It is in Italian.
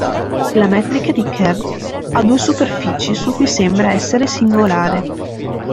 La metrica di Kerr ha due superfici su cui sembra essere singolare.